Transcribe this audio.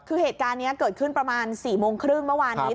คือเหตุการณ์นี้เกิดขึ้นประมาณ๔โมงครึ่งเมื่อวานนี้